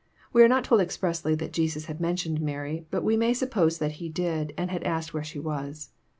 fWe are not told expressly that Jesus had men tioned Mary, but we may suppose that He did, and had asked where she was.